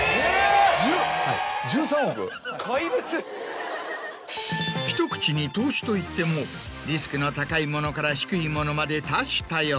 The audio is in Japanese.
じゅ１３億⁉・怪物・ひと口に投資といってもリスクの高いものから低いものまで多種多様。